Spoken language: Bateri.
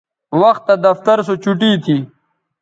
وختہ دفتر سو چوٹی تھی